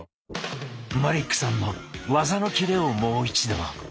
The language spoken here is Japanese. マリックさんの技のキレをもう一度。